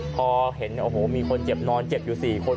พอเห็นโอ้โหมีคนเจ็บนอนเจ็บอยู่๔คน